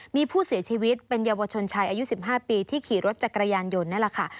มีผู้เสียชีวิตเป็นเยาวชนชายอายุ๑๕ปีที่ขี่รถจักรยานยนต์นั่นแหละค่ะ